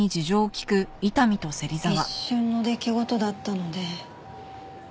一瞬の出来事だったので。